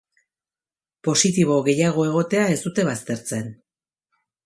Positibo gehiago egotea ez dute baztertzen.